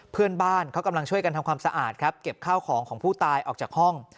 เพื่อนบ้านเขากำลังช่วยกันทำความสะอาดครับเก็บข้าวของของผู้ตายออกจากห้อง